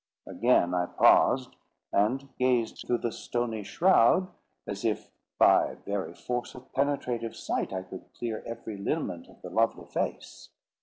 Again I paused, and gazed through the stony shroud, as if, by very force of penetrative sight, I would clear every lineament of the lovely face.